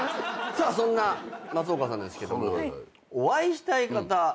さあそんな松岡さんですけどもお会いしたい方。